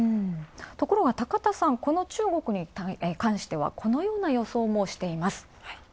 ところが高田さん、この中国に関してはこのような予想もしています。